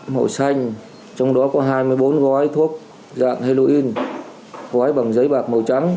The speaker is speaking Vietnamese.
màu xanh trong đó có hai mươi bốn gói thuốc dạng heroin gói bằng giấy bạc màu trắng